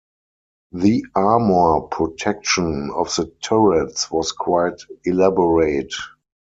The armour protection of the turrets was quite elaborate.